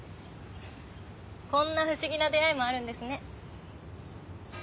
こんな不思議な出会いもあるんですね。